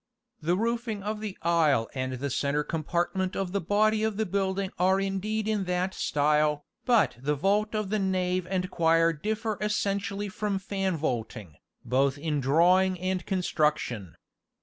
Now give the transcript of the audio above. The roofing of the aisle and the centre compartment of the body of the building are indeed in that style, but the vault of the nave and choir differ essentially from fan vaulting, both in drawing and construction.